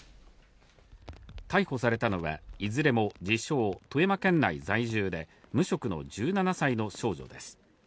逮捕されたのは、いずれも自称富山県内在住で、無職の１７歳の少女です。